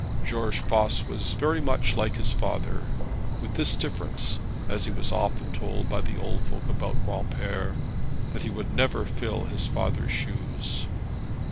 George Voss was very like his father, with this difference, as he was often told by the old folk about Granpere, that he would never fill his father's shoes.